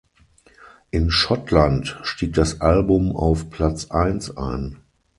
In Schottland stieg das Album auf Platz eins ein.